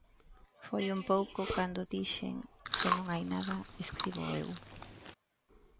Foi un pouco cando dixen se non hai nada, escríboo eu.